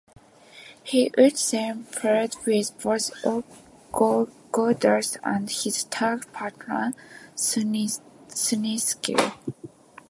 He would then feud with both Goldust and his tag partner Snitsky.